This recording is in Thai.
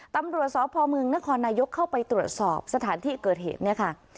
ตำรวจสพเมืองนครนายกเข้าไปตรวจสอบสถานที่เกิดเหตุเนี่ยค่ะ